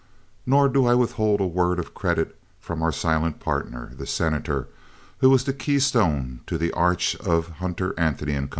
Nor do I withhold a word of credit from our silent partner, the Senator, who was the keystone to the arch of Hunter, Anthony & Co.